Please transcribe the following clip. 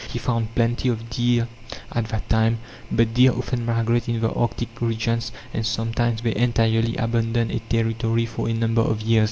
He found plenty of deer at that time, but deer often migrate in the Arctic regions, and sometimes they entirely abandon a territory for a number of years.